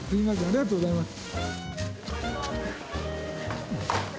ありがとうございます。